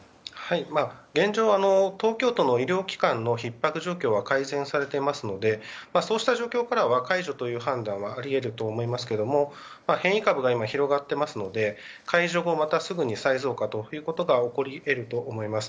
現状、東京都の医療機関のひっ迫状況は改善されていますのでそうした状況からは解除という判断はあり得ると思いますけども変異株が今、広がっていますので解除後またすぐに再増加ということが起こり得ると思います。